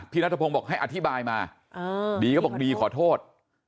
นัทพงศ์บอกให้อธิบายมาดีก็บอกดีขอโทษ